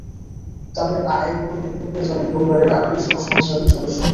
তাঁদের আয়ের ওপর নির্ভর করে চলেন পরিবারের আরও দুই সহস্রাধিক সদস্য।